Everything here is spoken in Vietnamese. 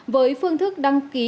với phương thức đăng ký